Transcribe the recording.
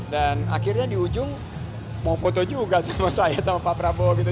dan akhirnya di ujung mau foto juga sama saya sama pak prabowo